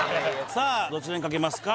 さあどちらに賭けますか？